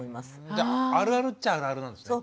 じゃあるあるっちゃあるあるなんですね。